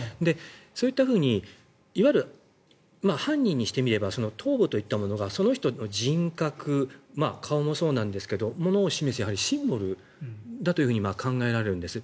そういったふうにいわゆる犯人にしてみれば頭部といったものがその人の人格顔もそうなんですがものを示すシンボルだと考えられるんですよ。